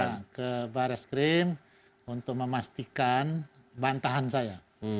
saya ke bareskrim untuk memastikan bantahan saya